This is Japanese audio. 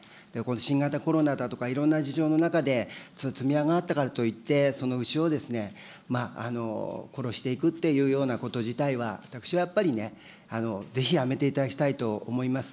新型コロナだとかいろんな事情の中で、積み上がったからといって、その牛を殺していくっていうようなこと自体は、私はやっぱりね、ぜひやめていただきたいと思います。